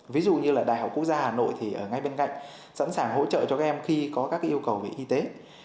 ví dụ như là đại học quốc gia hà nội thì ở ngay bên cạnh sẵn sàng hỗ trợ cho các em khi có các yêu cầu về y tế